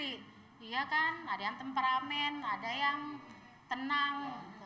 iya kan ada yang temperamen ada yang tenang